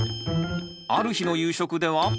ある日の夕食では。